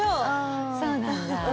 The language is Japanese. そうなんだ。